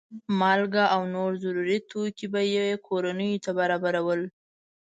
مالګه او نور ضروري توکي به یې کورنیو ته برابرول.